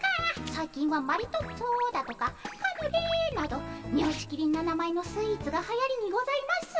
最近はマリトッツォだとかカヌレなどみょうちきりんな名前のスイーツがはやりにございます。